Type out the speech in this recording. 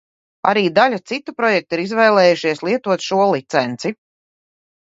Arī daļa citu projektu ir izvēlējušies lietot šo licenci.